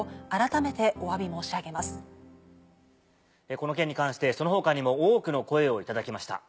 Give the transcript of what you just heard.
この件に関してその他にも多くの声を頂きました。